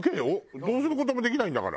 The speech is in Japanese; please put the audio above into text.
どうする事もできないんだから。